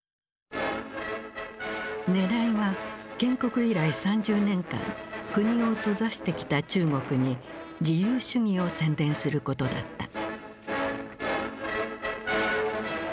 ねらいは建国以来３０年間国を閉ざしてきた中国に自由主義を宣伝することだった。